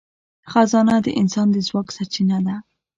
خزانه د انسان د ځواک سرچینه ده.